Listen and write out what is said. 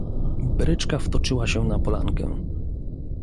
"Bryczka wtoczyła się na polankę."